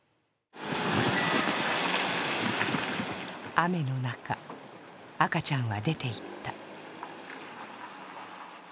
雨の中、赤ちゃんは出ていった。